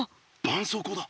ばんそうこうだ。